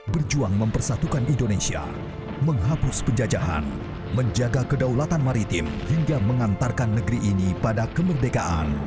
berjuang mempersatukan indonesia menghapus penjajahan menjaga kedaulatan maritim hingga mengantarkan negeri ini pada kemerdekaan